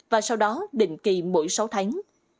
và sau đó định kỳ mỗi sáu tháng